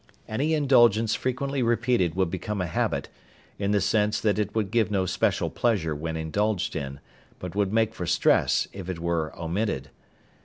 Any indulgence frequently repeated would become a habit, in the sense that it would give no special pleasure when indulged in, but would make for stress if it were omitted.